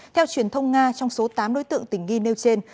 theo truyền thông nga trong số tám đối tượng tình nghi nêu trên